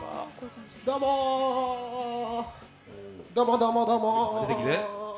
どうも、どうも、どうも、どうも。